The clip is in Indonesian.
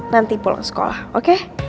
nanti pulang sekolah oke